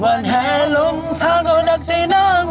วันแหลงลงทางเอานักใจน้ำ